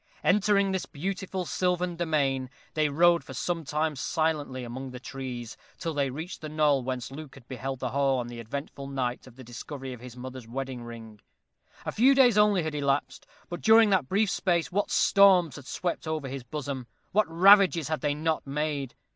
Entering this beautiful sylvan domain, they rode for some time silently among the trees, till they reached the knoll whence Luke beheld the hall on the eventful night of his discovery of his mother's wedding ring. A few days only had elapsed, but during that brief space what storms had swept over his bosom what ravages had they not made!